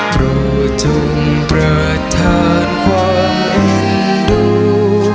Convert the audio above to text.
โปรดชุมประทานความเอ็นดู